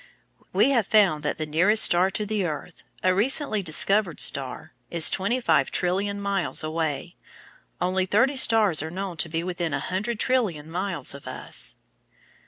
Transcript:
We have found that the nearest star to the earth, a recently discovered star, is twenty five trillion miles away. Only thirty stars are known to be within a hundred trillion miles of us.